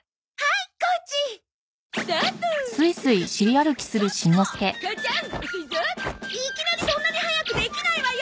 いきなりそんなに速くできないわよ！